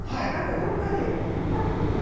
どっかで見たことない？